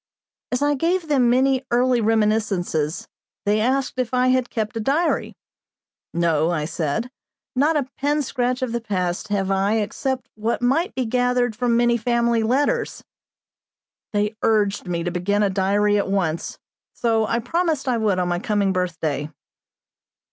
As I gave them many early reminiscences, they asked if I had kept a diary. "No," I said, "not a pen scratch of the past have I except what might be gathered from many family letters." They urged me to begin a diary at once; so I promised I would on my coming birthday.